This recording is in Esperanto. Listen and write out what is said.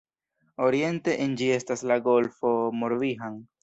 Oriente en ĝi estas la Golfo Morbihan.